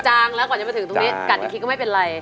จางแล้วก่อนจะมาถึงตรงนี้กัดอีกทีก็ไม่เป็นไร